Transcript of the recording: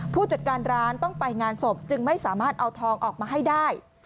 ผู้จัดการร้านต้องไปงานศพจึงไม่สามารถเอาทองออกมาให้ได้